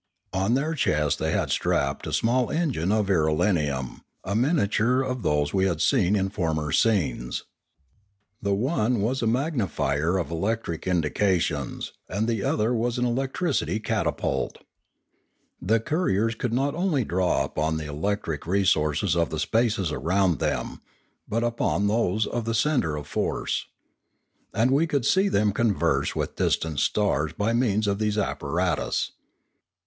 On their chests they had strapped a small engine of irelium, a miniature of those we had seen in former scenes. The one was a 480 Limanora magnifier of electric indications, and the other was an electricity catapult. The couriers could not only draw upon the electric resources of the spaces around them, but upon those of the centre of force. And we could see them converse with distant stars by means of these ap paratus.